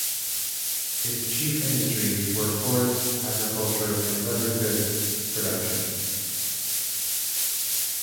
Its chief industries were forestry, agriculture and leather goods production.